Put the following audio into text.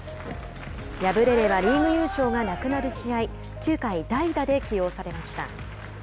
敗れればリーグ優勝がなくなる試合９回代打で起用されました。